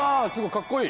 かっこいい！